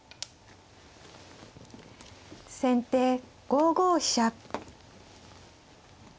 先手５五飛車。